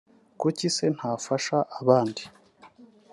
kuki se ntafasha abandi